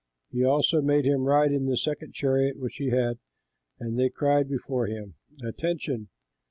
He also made him ride in the second chariot which he had; and they cried before him, "Attention!"